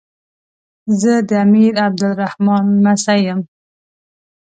زه د امیر عبدالرحمان لمسی یم.